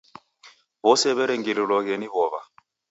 W'ose w'erengiriloghe ni w'ow'a.